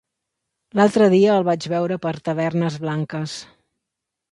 L'altre dia el vaig veure per Tavernes Blanques.